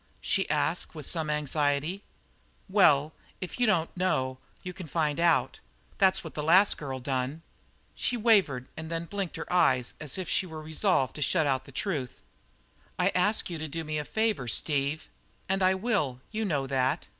she asked with some anxiety. "Well, if you don't know you can find out. That's what the last girl done." She wavered, and then blinked her eyes as if she were resolved to shut out the truth. "I asked you to do me a favour, Steve." "And I will. You know that."